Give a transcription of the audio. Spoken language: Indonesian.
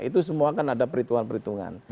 itu semua kan ada perhitungan perhitungan